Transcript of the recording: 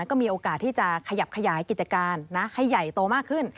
ก็มีโอกาสที่จะขยับขยายกิจการให้ใหญ่โตมากขึ้น